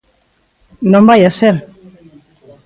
¡Non vaia ser!